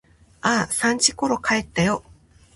ああ、三時ころ帰ったよ。